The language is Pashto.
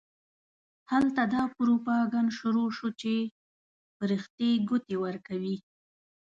هلته دا پروپاګند شروع شو چې فرښتې ګوتې ورکوي.